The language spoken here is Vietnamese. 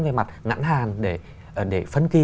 về mặt ngãn hàn để phấn kỳ